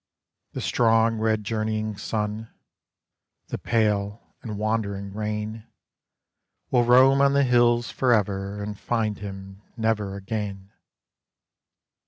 The strong red journeying sun, The pale and wandering rain, Will roam on the hills forever And find him never again.